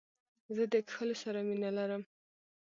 زه د کښلو سره مینه لرم.